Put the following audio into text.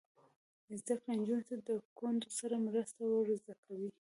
زده کړه نجونو ته د کونډو سره مرسته ور زده کوي.